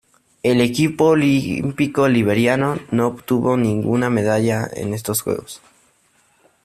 El equipo olímpico liberiano no obtuvo ninguna medalla en estos Juegos.